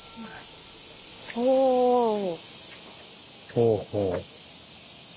ほうほう。